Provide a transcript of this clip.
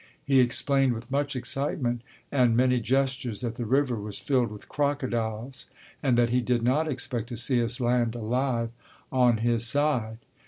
He explained with much excitement and many gestures that the river was filled with crocodiles, and that he did not expect to see us land alive on his side.